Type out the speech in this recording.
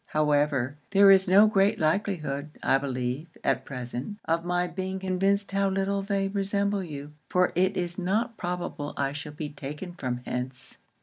However, there is no great likelihood, I believe, at present, of my being convinced how little they resemble you; for it is not probable I shall be taken from hence.'